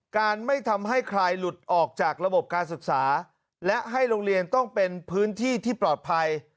การไม่ทำให้ใครหลุดออกจากระบบการศึกษาและให้โรงเรียนต้องเป็นพื้นที่ที่ปลอดภัย